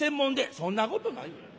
「そんなことない。